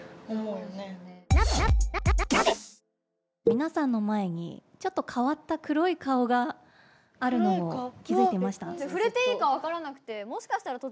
皆さんの前にちょっと変わった黒い顔があるのを気付いてました？